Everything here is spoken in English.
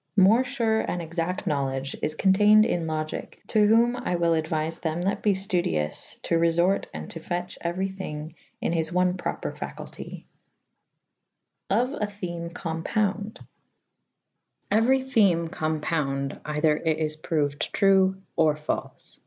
More iure and exacte knowledge is conteyned in Logyke / to whome I wyll aduife them that be ftudyoufe to reforte and to fetche euery thyng in his one prisper faculte/ ^ Of a Theme compounde. 1 Euery theme compounde eyther it is prouyd true or falfe.